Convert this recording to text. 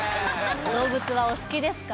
・動物はお好きですか？